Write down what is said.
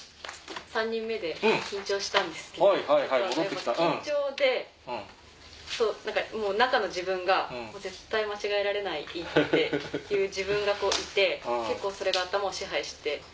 ３人目で緊張したんですけどやっぱ緊張で中の自分が絶対間違えられないっていう自分がいて結構それが頭を支配して。